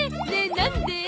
なんで？